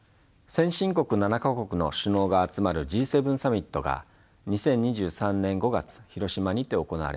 先進国７か国の首脳が集まるＧ７サミットが２０２３年５月広島にて行われました。